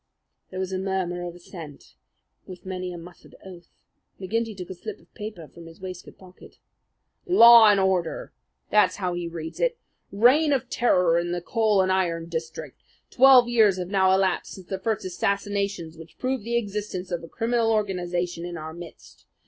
There was a murmur of assent, with many a muttered oath. McGinty took a slip of paper from his waistcoat pocket. "LAW AND ORDER!" That's how he heads it. "REIGN OF TERROR IN THE COAL AND IRON DISTRICT "Twelve years have now elapsed since the first assassinations which proved the existence of a criminal organization in our midst.